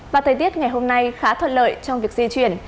và thời tiết ngày hôm nay khá thuận lợi trong việc di chuyển